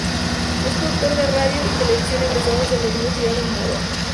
Es productor de radio y televisión egresado de la Universidad de Morón.